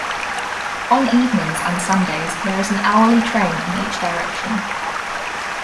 On evenings and Sundays there is an hourly train in each direction.